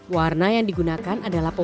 warna yang digunakan adalah